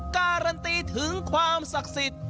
การันตีถึงความศักดิ์สิทธิ์